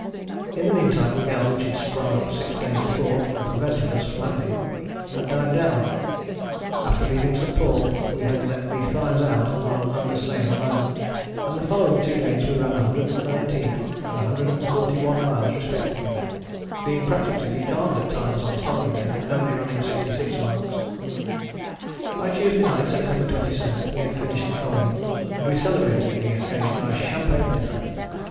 In the meantime the gale which had sprung up six days before and prevented us landing had died down. After leaving St. Paul we had let the fires out and run under sail alone, and the following two days we ran 119 and 141 miles respectively, being practically becalmed at times on the following day, and only running 66 miles. By Tuesday night, September 27, we had finished the coaling, and we celebrated the occasion by a champagne dinner.